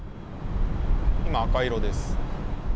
今、赤色です。